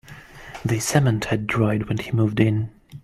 The cement had dried when he moved it.